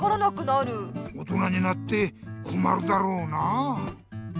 大人になってこまるだろうなあ。